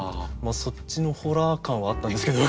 そっちのホラー感はあったんですけど。